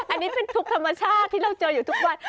อันนี้เป็นทุกข์ธรรมชาติที่เราเจออยู่ทุกวัน